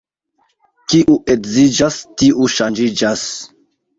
Kiu edziĝas, tiu ŝanĝiĝas.